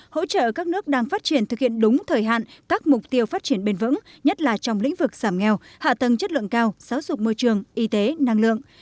hỗ trợ các nước đang phát triển thực hiện đúng thời hạn các mục tiêu phát triển bền vững nhất là trong lĩnh vực giảm nghèo hạ tầng chất lượng cao giáo dục môi trường y tế năng lượng